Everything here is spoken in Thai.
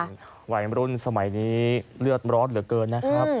อเจมส์วัยอำรุณสมัยนี้เลือดร้อนเหลือเกินนะครับ